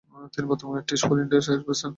তিনি বর্তমানে teach for ইন্ডিয়ার চেয়ারপারসন।